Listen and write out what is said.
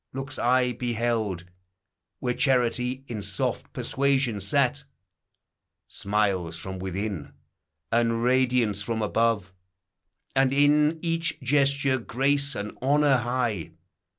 Looks I beheld, Where charity in soft persuasion sat; Smiles from within, and radiance from above; And, in each gesture, grace and honor high.